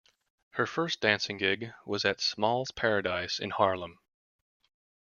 Her first dancing gig was at "Small's Paradise" in Harlem.